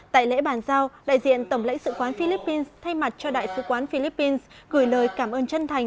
tại lễ bàn giao đại diện tổng lãnh sự quán philippines thay mặt cho đại sứ quán philippines gửi lời cảm ơn chân thành